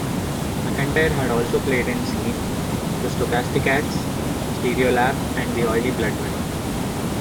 McEntire had also played in Seam, The Stokastikats, Stereolab, and The Oily Bloodmen.